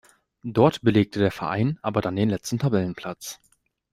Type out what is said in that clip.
Dort belegte der Verein aber dann den letzten Tabellenplatz.